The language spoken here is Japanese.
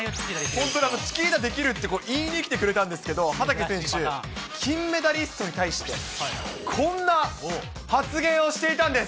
本当にチキータできるって言いに来てくれたんですけど、畠選手、金メダリストに対して、こんな発言をしていたんです。